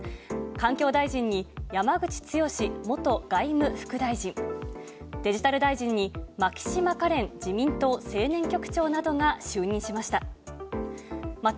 環境大臣に山口壮元外務副大臣、デジタル大臣に牧島かれん自民党青年局長などが就任しました。